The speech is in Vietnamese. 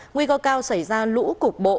nguy cơ cao xảy ra lũ cục bộ